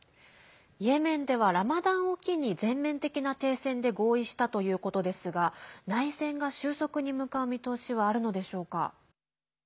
イエメンではラマダンを機に全面的な停戦で合意したということですが内戦が収束に向かう見通しはあるのでしょうか。